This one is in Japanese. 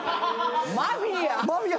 マフィア！